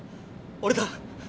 俺だ！